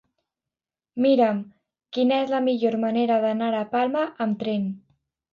Mira'm quina és la millor manera d'anar a Palma amb tren.